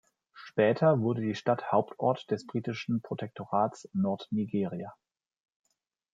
Später wurde die Stadt Hauptort des britischen Protektorats Nordnigeria.